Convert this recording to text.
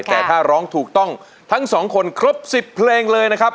แต่ถ้าร้องถูกต้องทั้งสองคนครบ๑๐เพลงเลยนะครับ